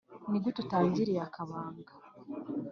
Ni gute utangiriye akabanga